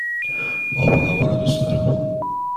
آب و هوا را دوست دارم.